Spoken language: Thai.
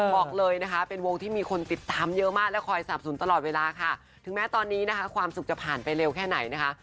บอกเลยนะคะเป็นวงที่มีคนติดตามเยอะมากและคอยสนับสนุนตลอดเวลาค่ะถึงแม้ตอนนี้นะคะความสุขจะผ่านไปเร็วแค่ไหนนะคะ